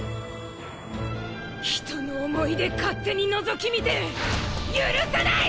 人の思い出勝手に覗き見て許さない！